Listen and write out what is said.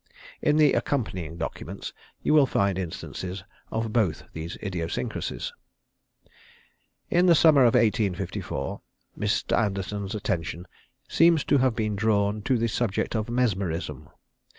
In the accompanying documents you will find instances of both these idiosyncrasies. In the summer of 1854 Mr. Anderton's attention seems to have been drawn to the subject of Mesmerism.